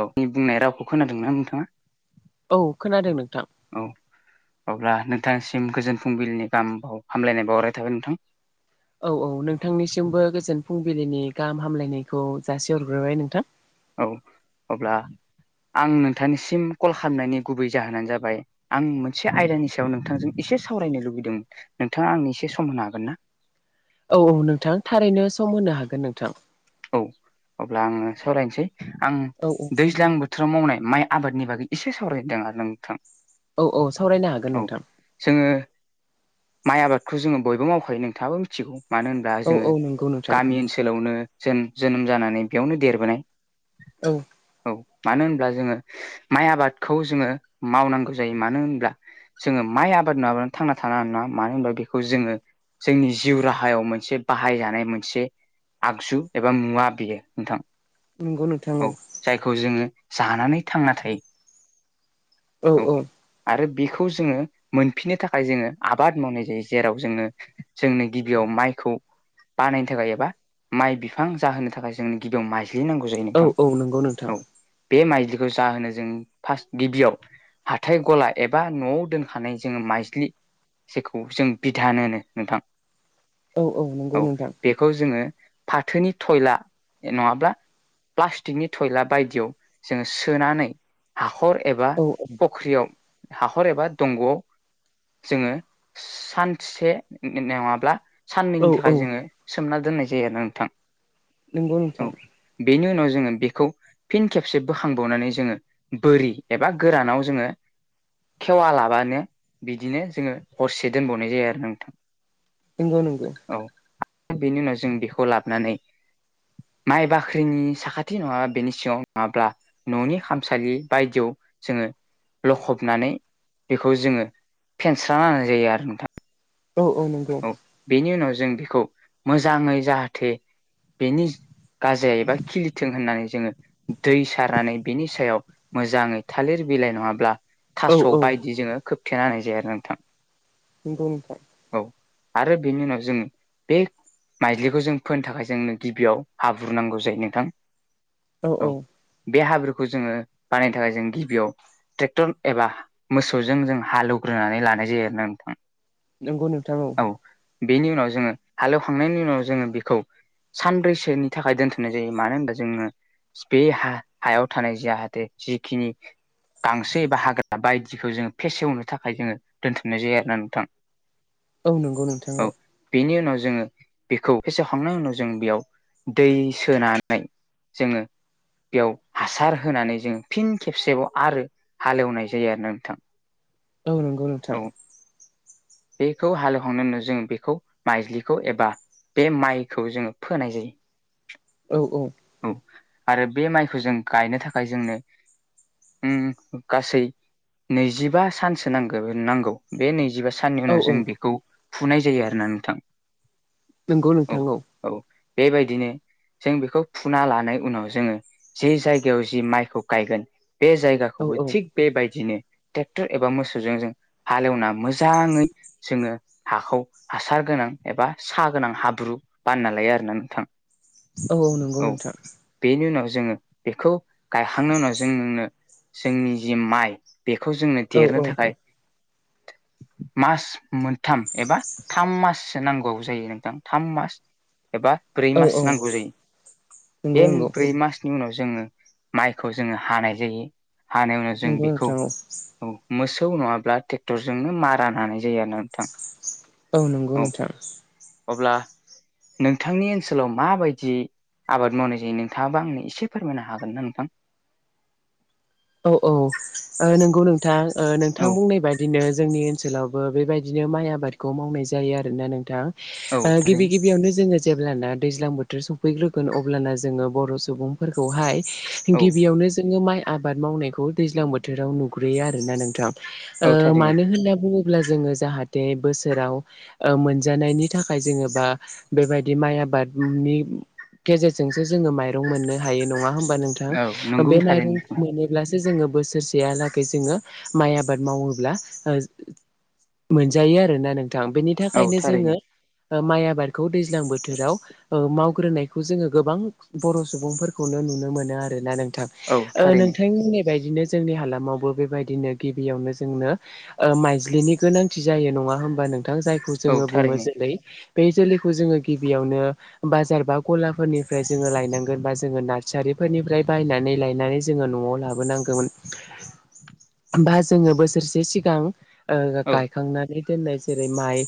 औ नि बुंनाय रावखौ खोनादोंना नोंथाङा? औ खोनादों नोंथां। औ अब्ला नोंथांसिम गोजोन फुंबिलिनि गाहाम हामलायनाय बावहरनाय थाबाय नोंथां। औ औ नोंथांनिसिमबो गोजोन फुंबिलिनि गाहाम हामलाय नायखौ जासि हरग्रोबाय नोंथां। औ अब्ला आं नोंथां निसिम कल खालामनायनि गुबै जाहोनानो जाबाय आं मोनसे आयदानि सायाव नोंथांजों एसे से सावरायनो लुबैदों नोंथाङा आंनि एसे सम होनो हागोन ना? औ औ नोंथां थारैनो सम होनो हागोन नोंथां। औ अब्ला आङो सावरायनसै आं औ दैज्लां बोथोराव मावनाय माइ आबादनि बागै एसे सावरायदो आरो नोंथां। औ औ सावरायनो हागोन औ नोंथां। जोङो माइ आबादखौ जोङो बयबो मावखायो नोंथाङाबो मिथिगौ। मानो होनब्ला औ जोङो औ नंगौ नोंथां गामि ओनसोलावनो जों जोनोम जानानै बेयावनो देरबोनाय औ। औ मानो होनब्ला जोङो माइ आबादखौ जोङो मावनांगौ जायो मानो होनब्ला जोङो माइ आबाद नङाबानो थांना थानो हानाय नङा मानो होनबा बेखौ जोङो जोंनि जिउ राहायाव मोनसे बाहाय जानाय मोनसे आगजु एबा मुवा बियो नोंथां। नंगौ नोंथां औ। जायखौ जोङो जानानै थांना थायो औ औ। आरो बेखौ जोङो मोनफिननो थाखाय जोङो आबाद मावनाय जायो। जेराव जोङो जोंनो गिबियाव माइ खौ बानायनो थाखाय एबा माइ बिफां जाहोनो थाखाय जोंनि गिबियाव माइ दिहुननांगौ जायो औ नोंथां। औ नंगौ नोंथां औ बे माइज्लिखौ जाहोनो जों फार्स्ट गिबियाव हाथाय गला एबा न'आव दोनखानाय जोङो माइज्लि जेखौ जों बिधान होनो नोंथां औ औ नंगौ नोंथां बेखौ जोङो। फाथोनि थयला नङाब्ला। प्लास्टिकनि टयला बायदियाव जोङो सोनानै हा हाखर एबा औ फख्रियाव हाखर एबा दंग'आव जोङो सानथिसे [unintelligible] नङाब्ला औ साननैनि थाखाय जोङो सोमना दोननाय जायो आरो नोंथां। नोंगौ नोंथां [unintelligible] जो बेखौ फिन खेबसे बोखांबावनानै जोङो बोरि एबा गोरानाव जोङो खेवा लाबानो बिदिनो जोङो हरसे दोनबावनाय जायो आरो नोंथां। नंगौ नगौ। औ बेनि उनाव जों बेखौ लाबोनानै माइ बाख्रिनि साखाथि नङाबा बेनि सिगङाव नङाब्ला न'नि खामसालि बायदियाव जोङो लखबनानै बेखौ जोङो फेनस्रा होननाय जायो आरो नोंथां [unintelligible] औ औ नंगौ। बेनि उनाव जों बेखौ मोजाङै जाहाथे बेनि गाजाय एबा खिलिथों होननानै जोङो दै सारनानै बेनि सायाव मोजाङै थालिर बिलाइ नङाब्ला औ औ थास' बायदि जोङो खोबथेना होनाय जाया आरो नोंथां। खिथुनिफ्राय [unintelligible] औ आरो बेनि उनाव जोङो बे माइजलिखौ जों फोनो थाखाय जोंनो गिबियाव हाब्रु नांगौ जायो नोंथां। औ बे हाब्रुखौ जोङो बानायनो थाखाय जों गिबियाव ट्रेक्टर एबा मोसौजों जों हालौवग्रोनानै लानाय जायो आरो ना नोंथां नंगौ नोंथां [unintelligible] व औ बेनि उनाव जोङो हालेवखांनायनि उनाव जोङो बेखौ सानब्रैसोनि थाखाय दोनथ'नाय जायो मानो होनबा जोङो बे ह हायाव थानाय जाहाथे जिखिनि गांसो एबा हाग्रा बायदिखौ जोङो फेसेवनो थाखाय जोङो दोनथ'नाय जायो आरोो [unintelligible] ना नोंथां औ नंगौ नोंथां औ। बेनि उनाव जोङो बेखौ फेसेखांनायनि उनाव जों बेयाव दै सोनानै। जोङो बेयाव हासार होनानै जों फिन खेबसेबाव आरो हालेवनाय जायो आरो ना नोंथां। औ नंगौ नोंथां। औ बेखौ हालेवखांनायनि उनाव जों बेखौ माइज्लिखौ एबा बे माइखौ जोङो फोनाय जायो। औ औ। आरो बे माइखौ जों गायनो थाखाय जोंनो गासै नैजिबा सानसो नांगौ नांगौ बे नैजिबा साननि औ उनाव जों बेखौ फुनाय जायो आरोो [unintelligible] ना नोंथां नंगौ औ नोंथांऔ [unintelligible] औ बेबायदिनो जों बेखौ फुना लानाय उनाव जोङो जे जायगायाव जि माइखौ गायगोन। बे औ जायगाखौबो थिग औ बेबायदिनो ट्रेक्टर एबा मोसौ जों हालेवना मोजाङै जोङो हाखौ हासार गोनां एबा स गोनां हाब्रु बानना लायो आरोो ना नोंथां। औ औ नंगौ नोंथां बेनि उनाव जोङो बेखौ गायखांनायनि उनाव जोंनो जोंनि जि माइ बेखौ जोंङनो औ देरनो औ थाखाय मास मोनथाम एबा थाम माससो नांगौ जायो नोंथां थाम मास एबा ब्रै औ मास औ नांगौ जायो बे नंगौ नंगौ ब्रै मासनि उनाव जोङो माइखौ जोङो हानाय जायो हानाय उनाव जों नंगौ बेखौ नोंथां औ औ मोसौ नङाब्ला ट्रेक्टरजोंनो मारानानाय जायो आरोना नोंथां। औ नंगौ नोंथां। अब्ला नोंथांनि ओनसोलाव माबायदि आबाद मावनाय जायो नोंथाङाबा आंनो एसे फोरमायनो हागोन ना नोंथां? औ औ औ नंगौ नोंथां औ नोंथाङा बुंनाय बादिनो जोंनि ओनसोलावबो बेबायदिनो माइ आबादखौ मावनाय जायो आरोना नोंथां। औ गिबि थारैनो गिबियावनो जोङो जेब्लाना दैज्लां बोथोर सफैग्रोगोन अब्लाना जोङो बर' सुबुंफोरखौहाय औ गिबियावनो जोङो माइ आबाद मावनायखौ दैज्लां बोथोराव नुग्रोयो आरोना नोंथां औ ओ थारैनो मानो होनना बुङो ब्ला जोङो जाहाथे बोसोराव मोनजानायनि थाखाय जोङो बा बेबायदि माइ आबादनि गेजेरजोंसो जोङो माइरं मोननो हायो नङा होम औ नोंथां नंगौ बे थारैनो माइरं खो नोंथां मोनोब्लासो जोङो बोसोरसेहालागै जोङो माइ आबाद मावोब्ला ओ मोनजायो आरोना नोंथां बेनि औ थाखायनो थारैनो जोङो माइ आबादखौ दैज्लां बोथोराव मावग्रोनायखौ जोङो गोबां बर' सुबुंफोरखौनो नुनो मोनो आरोना नोंथां। औ ओ थारैनो नोंथांमोननि बायदिनो जोंनि हालामावबो बेबायदिनो गिबियावनो जोंनो माइज्लिनि गोनांथि जायो नङा होमबा नोंथां जायखौ औ जोङो बुङो थारैनो जेरै बे जोलैखौ जोङो गिबियावनो बाजार बा गलाफोरनिफ्राय जोङो लायनांगोन बा जोङो नार्सारि फोरनिफ्राय बायनानै लायनानै जोङो न'आव लाबोनांगौमोन बा जोङो बोसोरसे सिगां ओ औ गायखांनानै दोननाय जेरै माइ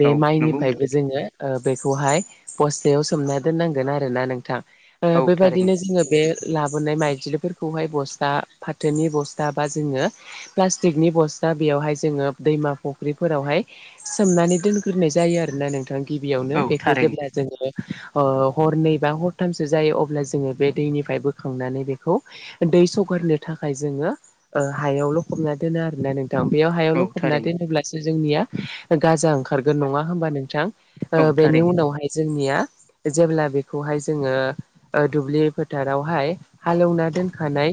बे औ नंगौ नोंथां माइनिफ्रायबो जोङो बेखौहाय बस्थायाव सोमना दोननांगोन आरोना नोंथां। ओ औ थारैनो बेबायदिनो जोङो बे लाबोनाय माइज्लि खौहाय बस्था फाथोनि बस्था बा जोङो प्लाटिकनि बस्था बेयावहाय जोङो दै मा फख्रिफोरावहाय सोमनानै दोनग्रोनाय जायो आरोना नोंथां। गिबियावनो औ बेखौ थारैनो जेब्ला जोङो ओ हरनै बा हरथामसो जायो अब्ला जोङो बे दैनिफ्राय बोखांनानै बेखौ दै सरगारनो थाखाय जोङो हायावल' हबना दोनो आरोना नों बेयाव हायावल' औ लखबना थारैनो दोनोब्लासो जोंनिया गाजां ओंखा ओंखारगोन नङा होनबा नोंथां औ बेनि थारैनो उनावहाय जों निया जेब्ला बेखौहाय जोङ दुब्लि फोथारावहाय हालवना मोनखानाय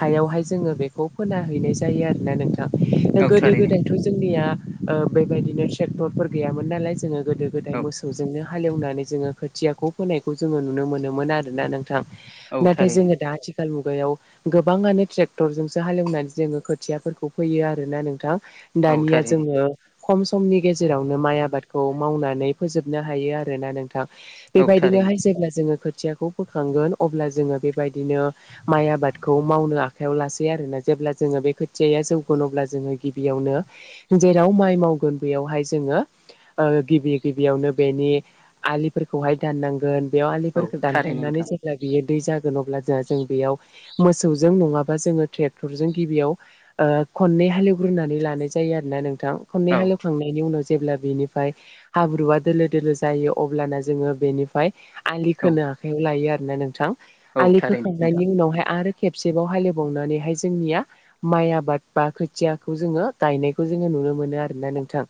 हायावहाय जोङो बेखौ फोना हैैनाय जायो आरोना नोंथां। औ गोदो थारैनो गोदायथ' जोंनिया बेबायदिनो ट्रेक्टरफोर गैयामोन नालाय जोङो गोदो गोदाय औ मोसौजोंनो हाल एवनानै जोङो खोथियाखौ फोनायखौ जोङो नुनो मोनोमोन आरोना नों [unintelligible] औ नाथाय थारैनो जोङो दा आथिखाल मुगायाव गोबाङानो ट्रेक्टरजोंसो हालेवनानै जोङो खोथियाफोरखौ फैयो आरोना नोंथां। औ दानिया थारैनो जोङो खम समनि गेजेरावनो माइ आबादखौ मावनानै फोजोबनो हायो आरोना नोंथां। औ थारैनो बेबायदिनोहाय जेब्ला जोङो खोथियाखौ बोखांगोन अब्ला जोङो बेबायदिनो माइ आबादखौ मावनो आखायाव लासै आरोना जेब्ला जोङो बे खोथियाया जौगोन अब्ला जोङो गिबियाव जेराव माइ मावगोन बेयावहाय जोङो ओ गिबि गिबियावनो बेनि आलिफोरखौहाय दाननांगोन। बेयाव औ आलिफोरखौ थारैनो दानखांनानै नोंथां जेब्ला बियो दै जागोन अब्ला जों जों बेयाव मोसौजों नङाबा जोङो ट्रेक्टरजों गिबियाव खननै हाल एवग्रोनानै लानाय जायो आरोना नोंथां। खननै औ हाल एवखांनायनि उनाव जेब्ला बेनिफ्राय हाब्रुआ दोलो दोलो जायो अब्लाना जोङो बेनिफ्राय आलि औ खोनो आखाइायाव लायो आरोना नोंथां। औ [unintelligible] होखांनायनि उनावहाय आरो खेबसेबाव हालेबावनानैहाय जोंनिया माइ आबाद बा खोथियाखौ जोङो गायनायखौ जोङो नु नुनो मोनो आरोना नोंथां?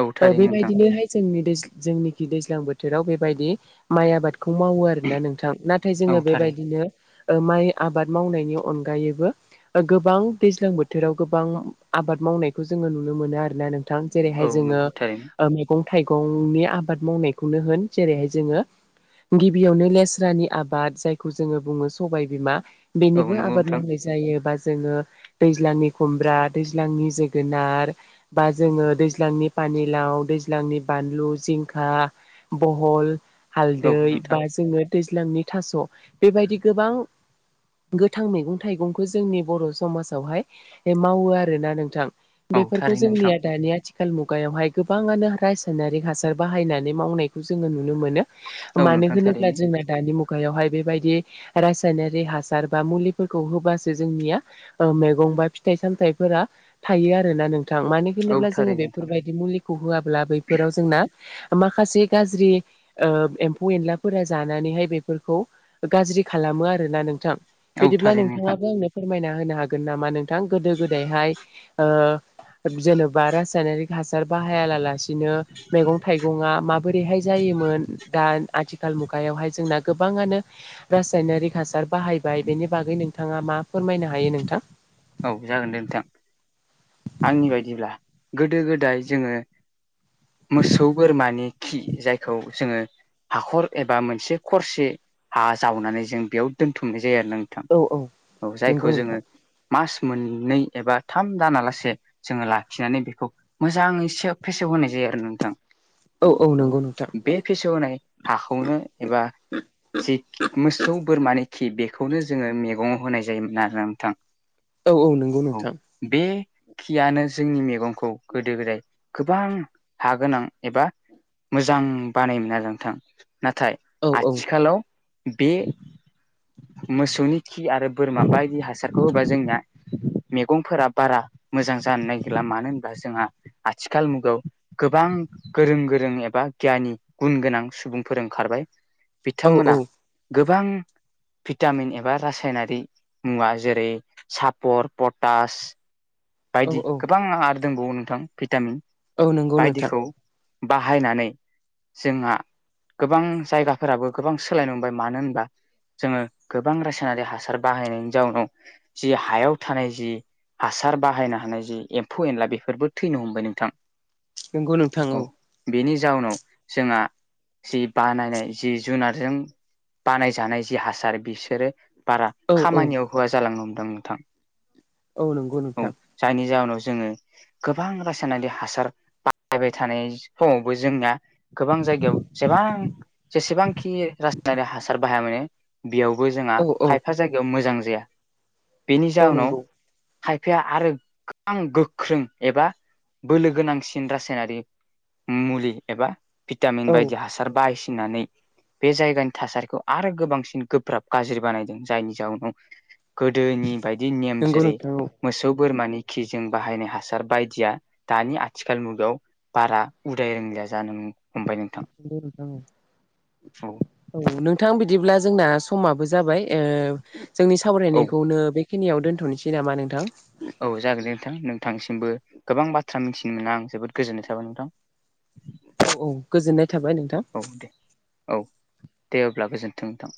औ थारैनो नोंथां बेबायदिनोहाय जोंनि दैयज जोंनिखि दैज्लां बोथोराव बेबायदि माइ आबाद खौ मावो आरोना नोंथां? नाथाय जोङो औ थारैनो बेबायदिनो ओ माइ आबाद मावनायनि अनगायैबो ओ गोबां दैज्लां बोथोराव गोबां आ आबाद मावनायखौ जोङो नुनो मोनो आरोना नोंथां जेरैहाय औ जोङ नंगौ थारैनो मेगं थाइगंनि आबाद मावनायखौनो होन जेरैहाय जोङो गिबियावनो लेस्रानि आबाद जायखौ जोङो बुङो स सबाय बिमा औ बेनिबो नंगौ आबाद नोंथां मावनाय जायो बा जोङो दैज्लांनि खुमब्रा दैज्लांनि जोगोनार बा जोङो दैज्लांनि फा पानिलाव दैज्लांनि बानलु जिंखा बहल औ हालदै नोंथां बा जोङो दैज्लांनि थास' बेबायदि गोबां गोथां मैगं थाइगंखौ जोंनि बर' समाजावहाय मावो आरोना नोंथां। औ बेफोरखौ थारैनो नोंथां जोंनिया दानिया आथि खाल मुगायावहाय गोबाङानो रासायनारिक हासार बाहायनानै मावनायखौ जोङो नुनो मोनो। औ मानो नोंथां होनोब्ला थारैनो जोंना दानि मुगायावहाय बेबायदि रासायनारि हासार बा मुलिफोरखौ होबासो जोंनिया ओ मैगं बा फिथाइ सामथाइफोरा थायो आरोना नोंथां। मानो औ होनोब्ला जोङो थारैनो नोंथां बेफोरबायदि मुलिखौ होआब्ला बैफोराव जोंना माखासे गाज्रिओ ओ एम्फौ एनलाफोरा जानानैहाय बेफोरखौ गाज्रि खालामो आरोना नोंथां। औ बिदिब्ला थारैनो नोंथां नोंथाङाबो आंनो फोर फोरमायना होनो हागोन नामा? नोंथां गोदो गोदायहाय ओ जोनोबा रासायनारिक हासार बाहाया ला लासिनो मैगं थाइगंआ माबोरैहाय जायो मोन दा आथिखाल मुगायावहाय जोंना गोबाङनो रासायनारि हासार बाहायबाय बेनि बागै नोंथाङा मा फोरमायनो हायो नोंथां? औ जागोन दे नोंथां आंनि बायदिब्ला गोदो गोदाय जोङो मोसौ बोरमानि खि जायखौ जोङो हाखर एबा मोनसे खरसे हा जावनानै जों बेयाव दोनथुमनो जायो नोंथां औ औ औ जायखौ नंगौ जोङो नोंथां। मास मोननै एबा थाम दानालासे जोङो लाखिनानै बेखौ मोजाङै से फेसेव होनाय जायो आरो नोंथां। औ औ नों। बे फेसेवनाय हाखौनो एबा जि मोसौ बोरमानि खि बेखौनो जोङो मैगङाव होनाय जायोमोन आरो नोंथां। औ औ नंगौ औ नोंथां। बे खियानो जोंनि मेगंखौ गोदो गोदाय गोबां हा गोनां एबा मोजां बानायोमोन आरो नोंथां नाथाय औ औ आथिखालाव बे मोसौनि खि आरो बोरमा बायदि हासारखौ होबा जों आ मैगंफोरा बारा मोजां जानो नागिरला मानो होनबा जोंहा आथिखाल मुगायाव गोबां गोरों गोरों एबा गियानि गुन गोनां सुबुंफोर ओंखारबाय औ बिथांमोना गोबां भिटामिन एबा रासायनारि मुवा जेरै - सापर पटास औ औ बायदि औ गोबां आरो दोंबावो नोंथां भिटामिन औ नंगौ नोंथां। बायदिखौ बाहायनानै जोंहा गोबां जायगाफोराबो गोबां सोलायनो मोनबाय मानो होनबा जोङो गोबां रासायनारि हासार बाहायनायनि जाउनाव जि हायाव थानाय जि हासार बाहायनो हानाय जि एम्फौ एनला बेफोरबो थैनो हमबाय नोंथां नंगौ नोंथां औ। बेनि जाउनाव जोंहा जि बानायनाय जि जुनारजों बानायजानाय जि हासार बिसोरो बारा औ औ खामानियाव होआ जालांनो हमदों नोंथां। औ नंगौ औ नोंथां। जायनि जाहोनाव जोङो गोबां रासायनारि हासार बाहायबाय थानाय समावबो जोंना गोबां जायगायाव सेबां जेसेबांखि रायारि हासार बाहाया मानो बेयावबो जोंहा औ औ खायफा जायगायाव मोजां जाया बेनि औ जाउनाव नंगौ खायफाया आरो गोबां गोख्रों एबा बोलो गोनांसिन रासायनारि मुलि एबा भिटामिन औ बायदि हासार बायसिनानै बे जायगानि थासारिखौ आरो गोबांसिन गोब्राब गाज्रि बानायदों जायनि जाउनाव गोदोनि बायदि नेम नंगौ जेरै नोंथां औ मोसौ बोरमानि खिजों बाहायनाय हासार बायदिया दानि आथिखाल मुगायाव बारा उदाय रोंलि या जानो हमबाय नोंथां औ औ नों थां बिदिब्ला जोंना समाबो जाबाय ओ जोंनि औ सावरायनायखौनो बे खिनियाव दोनथ'नोसै नामा नोंथां? औ जागोन दे नोंथां नोंथांसिमबो गोबां बाथ्रा मिथिनो मोनना आं जोबोद गोजोननाय थाबाय नोंथां। औ गोजोननाय थाबाय नोंथां। औ दे औ दे अब्ला गोजोन्थों नोंथां।